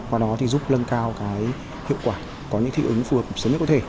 và nó thì giúp lân cao hiệu quả có những thị ứng phù hợp sớm nhất có thể